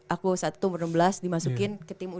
aku saat itu umur enam belas dimasukin ke tim u dua